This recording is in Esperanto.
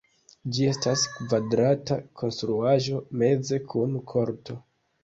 Ĝi estas kvadrata konstruaĵo meze kun korto.